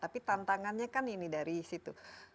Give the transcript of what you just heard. tapi tantangannya kan ini dari situ